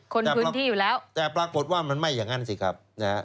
คนพื้นที่อยู่แล้วแต่ปรากฏว่ามันไม่อย่างนั้นสิครับนะฮะ